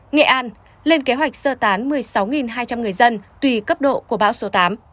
nghệ an lên kế hoạch sơ tán một mươi sáu hai trăm linh người dân tùy cấp độ của bão số tám